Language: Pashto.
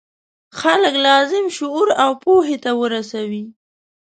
خلک لازم شعور او پوهې ته ورسوي.